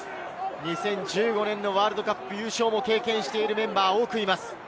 ２０１５年のワールドカップ優勝も経験しているメンバーが多くいます。